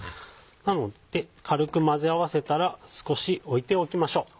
なので軽く混ぜ合わせたら少し置いておきましょう。